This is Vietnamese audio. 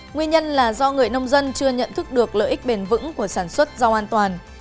nguyên nhân là do người nông dân chưa nhận thức được lợi ích bền vững của sản xuất rau an toàn